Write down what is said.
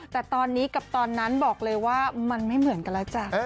แต่ตอนนี้กับตอนนั้นบอกเลยว่ามันไม่เหมือนกันแล้วจ้ะ